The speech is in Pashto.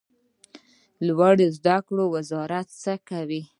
لوړو زده کړو وزارت څه کوي؟